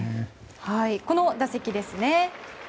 この打席ですね。